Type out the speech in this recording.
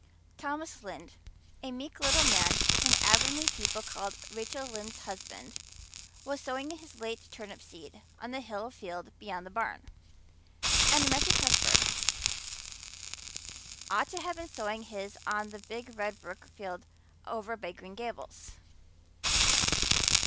Thomas Lynde a meek little man whom Avonlea people called "Rachel Lynde's husband" was sowing his late turnip seed on the hill field beyond the barn; and Matthew Cuthbert ought to have been sowing his on the big red brook field away over by Green Gables.